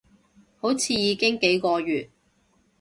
好似已經幾個月